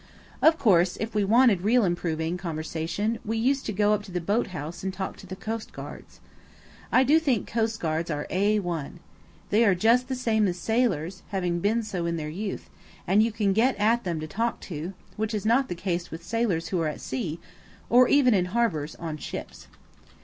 Of course if we wanted real improving conversation we used to go up to the boat house and talk to the coastguards. I do think coastguards are A1. They are just the same as sailors, having been so in their youth, and you can get at them to talk to, which is not the case with sailors who are at sea (or even in harbours) on ships.